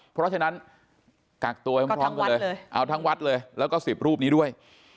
เพราะฉะนั้นกักตัวไปพร้อมกันเลยเอาทั้งวัดเลยแล้วก็๑๐รูปนี้ด้วย